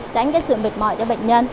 tránh cái sự mệt mỏi cho bệnh nhân